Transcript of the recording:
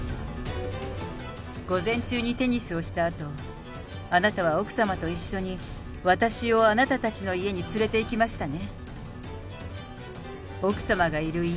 午前中にテニスをしたあと、あなたは奥様と一緒に私をあなたたちの家に連れていきましたね。